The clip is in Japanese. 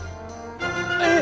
えっ！？